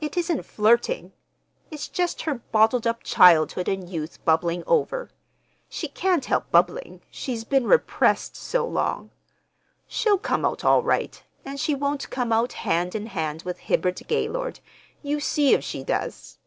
"It isn't flirting. It's just her bottled up childhood and youth bubbling over. She can't help bubbling, she's been repressed so long. She'll come out all right, and she won't come out hand in hand with Hibbard Gaylord. You see if she does."